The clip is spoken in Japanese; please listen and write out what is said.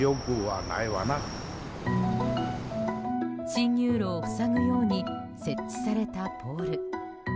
進入路を塞ぐように設置されたポール。